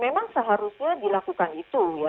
memang seharusnya dilakukan itu ya